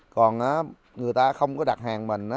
còn người ta không có đặt hàng mình